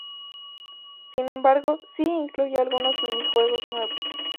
Sin embargo, sí incluye algunos minijuegos nuevos.